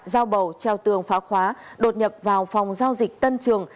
dao bầu treo tường phá khóa đột nhập vào phòng giao dịch tân trường